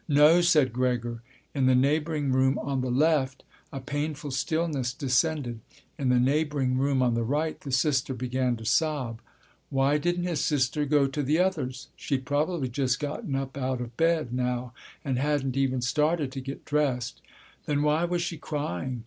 "No," said Gregor. In the neighbouring room on the left a painful stillness descended. In the neighbouring room on the right the sister began to sob. Why didn't his sister go to the others? She'd probably just gotten up out of bed now and hadn't even started to get dressed yet. Then why was she crying?